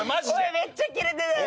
めっちゃキレてたやん。